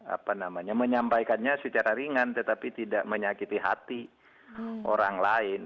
apa namanya menyampaikannya secara ringan tetapi tidak menyakiti hati orang lain